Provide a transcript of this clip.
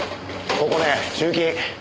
ここね駐禁。